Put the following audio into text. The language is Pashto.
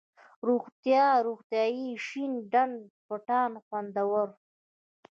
روغتيا، روغتیایي ،شين ډنډ، پټان ، خوندور،